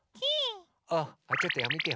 あちょっとやめてよ。